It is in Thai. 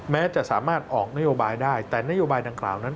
แม้จะสามารถออกนโยบายได้แต่นโยบายดังกล่าวนั้น